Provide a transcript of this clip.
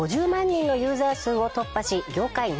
５０万人のユーザー数を突破し業界